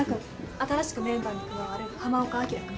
新しくメンバーに加わる浜岡あきら君。